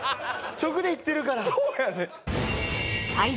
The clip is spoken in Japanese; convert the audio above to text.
直でいってるから！